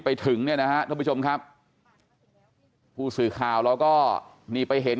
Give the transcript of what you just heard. ไปถึงเนี่ยนะฮะท่านผู้ชมครับผู้สื่อข่าวเราก็นี่ไปเห็น